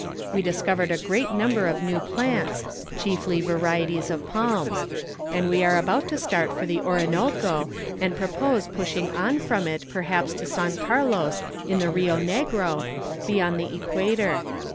We discovered a great number of new plants, chiefly varieties of palms; and we are about to start for the Orinoco, and propose pushing on from it perhaps to San Carlos on the Rio Negro, beyond the equator.